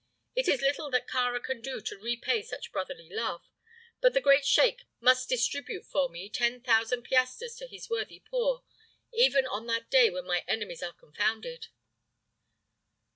"It is little that Kāra can do to repay such brotherly love; but the great sheik must distribute for me ten thousand piastres to his worthy poor, even on that day when my enemies are confounded."